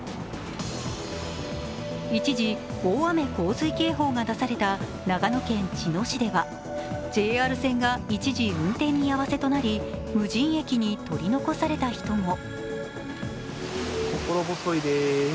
一時、大雨洪水警報が出された長野県茅野市ではＪＲ線が一次運転見合わせとなり、無人駅に取り残された人も。